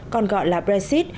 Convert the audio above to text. còn gọi là brexit